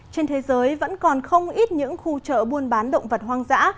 trên thế giới vẫn còn không ít những khu chợ buôn bán động vật hoang dã